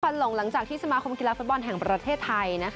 หลังจากที่สมาคมกีฬาฟุตบอลแห่งประเทศไทย